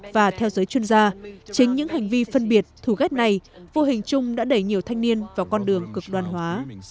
và theo giới chuyên gia chính những hành vi phân biệt thù ghét này vô hình chung đã đẩy nhiều thanh niên vào con đường cực đoan hóa